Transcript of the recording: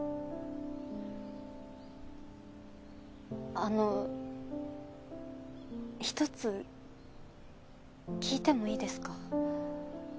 あの１つ聞いてもいいですか？